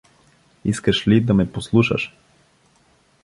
Искаш ли да ме послушаш?